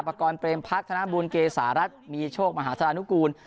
ประกอร์นเตรียมพักษ์ธนาบูลเกสารัฐมีโชคมหาธนานุกูล